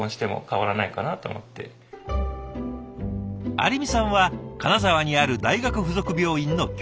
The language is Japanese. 有美さんは金沢にある大学付属病院の教員。